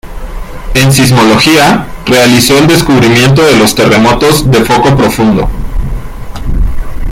En sismología, realizó el descubrimiento de los terremotos de foco profundo.